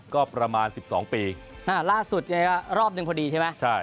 ก็ประมาณสิบสองปีอ่าล่าสุดรอบหนึ่งพอดีใช่ไหมใช่